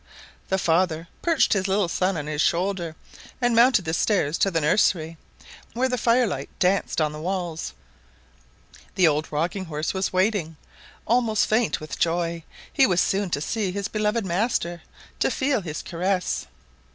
The father perched his little son on his shoulder and mounted the stairs to the nursery, where the firelight danced on the walls. The old rocking horse was waiting, almost faint with joy; he was soon to see his beloved master, to feel his caress.